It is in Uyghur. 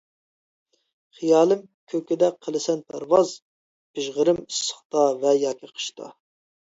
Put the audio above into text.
خىيالىم كۆكىدە قىلىسەن پەرۋاز، پىژغىرىم ئىسسىقتا ۋە ياكى قىشتا.